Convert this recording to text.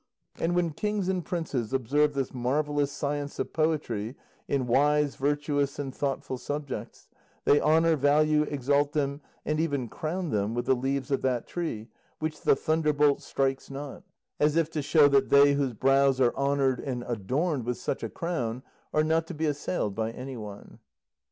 And when kings and princes observe this marvellous science of poetry in wise, virtuous, and thoughtful subjects, they honour, value, exalt them, and even crown them with the leaves of that tree which the thunderbolt strikes not, as if to show that they whose brows are honoured and adorned with such a crown are not to be assailed by anyone."